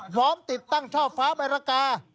หวอมติดตั้งเช่าฟ้าใบรากา